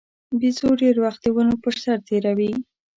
بیزو ډېر وخت د ونو پر سر تېروي.